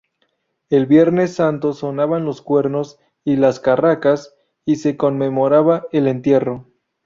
El Vienes Santo sonaban los cuernos y las carracas y se conmemoraba el entierro.